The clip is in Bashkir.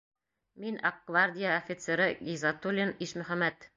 «Мин аҡ гвардия офицеры Гиззатуллин Ишмөхәмәт!»